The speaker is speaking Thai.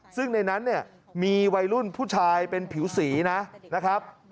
ซึ่งในนั้นเนี่ยมีวัยรุ่นผู้ชายเป็นผิวสีนะครับ